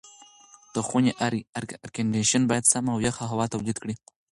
د خونې اېرکنډیشن باید سمه او یخه هوا تولید کړي.